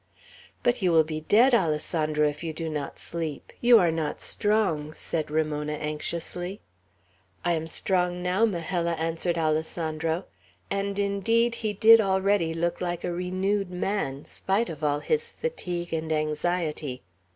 "But you will be dead, Alessandro, if you do not sleep. You are not strong," said Ramona, anxiously. "I am strong now, Majella," answered Alessandro. And indeed he did already look like a renewed man, spite of all his fatigue and anxiety.